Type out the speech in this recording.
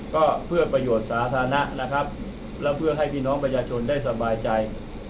ก็เพื่อประโยชน์สาธารณะนะครับแล้วเพื่อให้พี่น้องประชาชนได้สบายใจ